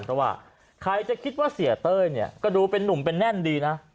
เพราะว่าใครจะคิดว่าเสียเต้ยเนี่ยก็ดูเป็นนุ่มเป็นแน่นดีนะ